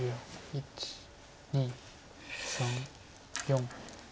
１２３４。